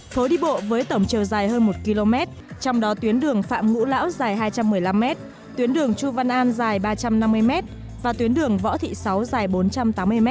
phố đi bộ với tổng chiều dài hơn một km trong đó tuyến đường phạm ngũ lão dài hai trăm một mươi năm m tuyến đường chu văn an dài ba trăm năm mươi m và tuyến đường võ thị sáu dài bốn trăm tám mươi m